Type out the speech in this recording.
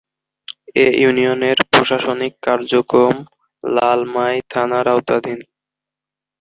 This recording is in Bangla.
এ ইউনিয়নের প্রশাসনিক কার্যক্রম লালমাই থানার আওতাধীন।